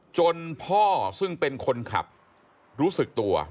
จนพ่อซึ่งเป็นคนขับรู้สึกตัว